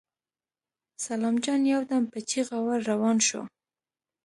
سلام جان يودم په چيغه ور روان شو.